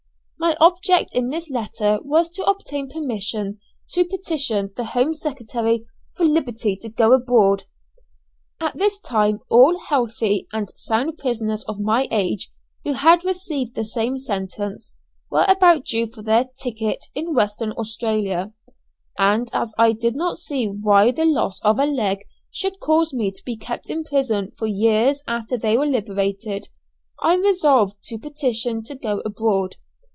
My object in this letter was to obtain permission to petition the Home Secretary for liberty to go abroad. At this time all healthy and sound prisoners of my age, who had received the same sentence, were about due for their "ticket," in Western Australia; and as I did not see why the loss of a leg should cause me to be kept in prison for years after they were liberated, I resolved to petition to go abroad.